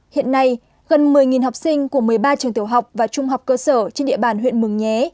hiện nay gần một mươi học sinh của một mươi ba trường tiểu học và trung học cơ sở trên địa bàn huyện mường nhé